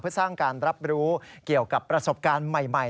เพื่อสร้างการรับรู้เกี่ยวกับประสบการณ์ใหม่